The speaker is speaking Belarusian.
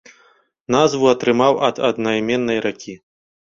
Назву атрымаў ад аднайменнай ракі.